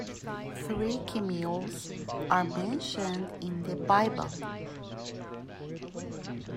Three Kemuels are mentioned in the Bible.